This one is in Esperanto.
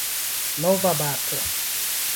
Nova bato.